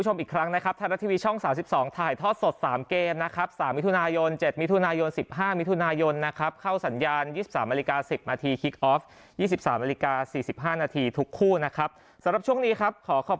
จากสังเกตจากแม็กซ์แรกที่เราเจอเค้าในรอบคันเลือกตรงนี้ครับผม